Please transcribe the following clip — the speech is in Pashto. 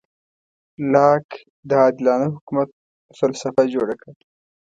لاک د عادلانه حکومت فلسفه جوړه کړه.